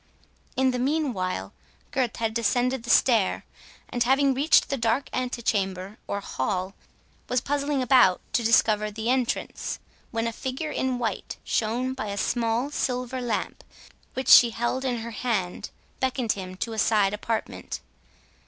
In the meanwhile, Gurth had descended the stair, and, having reached the dark antechamber or hall, was puzzling about to discover the entrance, when a figure in white, shown by a small silver lamp which she held in her hand, beckoned him into a side apartment.